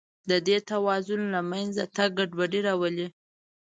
د دې توازن له منځه تګ ګډوډي راولي.